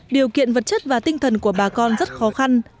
điều kiện vật chất và tinh thần của bà con rất khó khăn